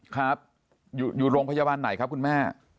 ครับอยู่โรงพยาบาลไหนครับคุณแม่